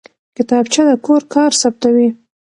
کتابچه د کور کار ثبتوي